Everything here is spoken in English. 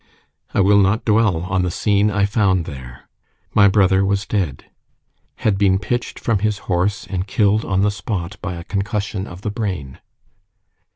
I will not dwell on the scene I found there. My brother was dead had been pitched from his horse, and killed on the spot by a concussion of the brain.